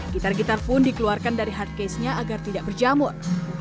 gitar gitar pun dikeluarkan dari hardcase nya agar tidak berjamur